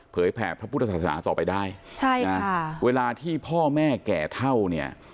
แผ่พระพุทธศาสนาต่อไปได้ใช่นะเวลาที่พ่อแม่แก่เท่าเนี่ย